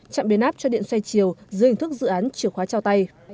chạm biến áp cho điện xoay chiều dưới hình thức dự án chìa khóa trao tay